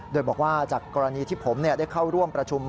โดยบอกว่าจากกรณีที่ผมได้เข้าร่วมประชุม